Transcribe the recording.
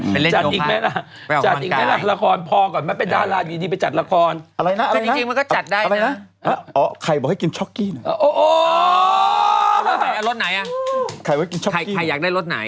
ไปเล่นโยภาคไปออกความกาย